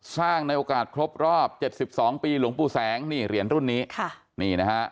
สร้างในโอกาสครบรอบ๗๒ปีหลวงปู่แสงเหรียญรุ่นนี้